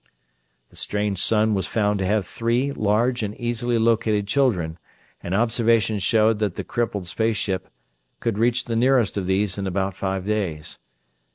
The strange sun was found to have three large and easily located children, and observation showed that the crippled space ship could reach the nearest of these in about five days.